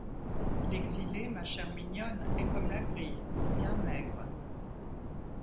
L’exilé, ma chère mignonne, est comme la grille, bien maigre!